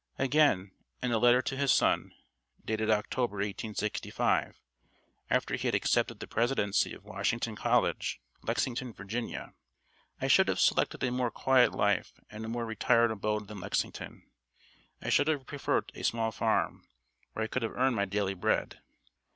Again in a letter to his son, dated October, 1865, after he had accepted the presidency of Washington College, Lexington, Virginia: "I should have selected a more quiet life and a more retired abode than Lexington. I should have preferred a small farm, where I could have earned my daily bread."